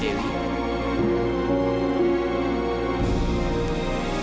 oh memang gimana